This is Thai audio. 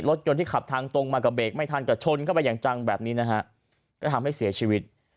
รถยนต์ที่ขับทางตรงมาก็เบรกไม่ทันก็ชนเข้าไปอย่างจังแบบนี้นะฮะก็ทำให้เสียชีวิต